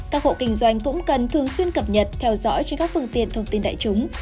các hộ kinh doanh cũng cần thường xuyên cập nhật theo dõi trên các phương tiện thông tin đại chúng